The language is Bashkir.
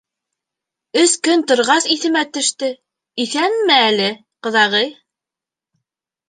Өс көн торғас иҫемә төштө, иҫәнме әле, ҡоҙағый?